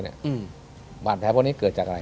หวัดแพ้พวกนี้เกิดจากอะไร